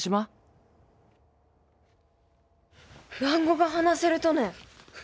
蘭語が話せるとね？